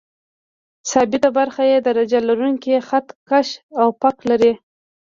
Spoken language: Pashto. ثابته برخه یې درجه لرونکی خط کش او فک لري.